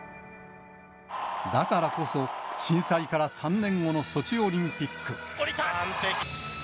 だからこそ、震災から３年後のソチオリンピック。